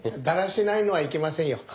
だらしないのはいけませんよ。